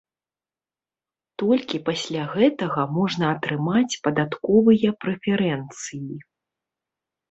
Толькі пасля гэтага можна атрымаць падатковыя прэферэнцыі.